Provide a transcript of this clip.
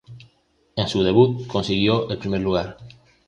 En su debut consiguió el primer lugar.